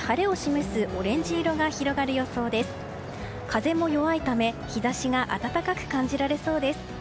風も弱いため日差しが温かく感じられそうです。